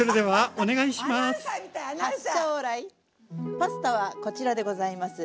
パスタはこちらでございます。